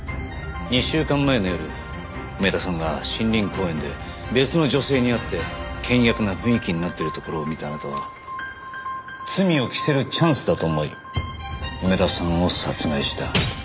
２週間前の夜梅田さんが森林公園で別の女性に会って険悪な雰囲気になってるところを見たあなたは罪を着せるチャンスだと思い梅田さんを殺害した。